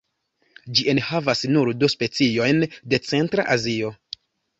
Ĝi enhavas nur du speciojn de centra Azio.